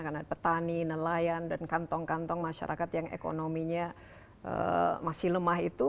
karena petani nelayan dan kantong kantong masyarakat yang ekonominya masih lemah itu